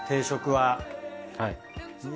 はい。